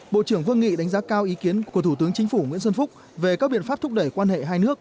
bộ trưởng vương nghị đánh giá cao ý kiến của thủ tướng chính phủ nguyễn xuân phúc về các biện pháp thúc đẩy quan hệ hai nước